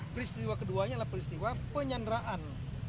peristiwa keduanya adalah peristiwa penyanderaan